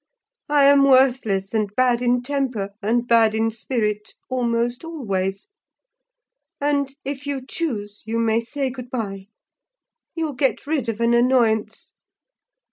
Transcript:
I am worthless, and bad in temper, and bad in spirit, almost always; and, if you choose, you may say good bye: you'll get rid of an annoyance.